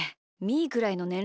ーくらいのねん